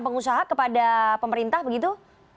pengusaha kepada pemerintah begitu